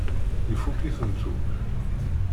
Ifukk-itent akk.